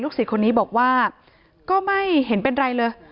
ศิษย์คนนี้บอกว่าก็ไม่เห็นเป็นไรเลย